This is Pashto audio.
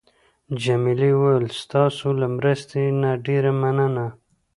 جميلې وويل: ستاسو له مرستې نه ډېره مننه.